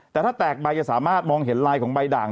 แต่ถ้าแตกใบจะสามารถมองเห็นลายของใบด่าง